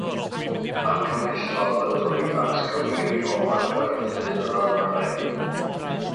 Argymhellodd y dylid atgyweirio a gwerthu'r awyren.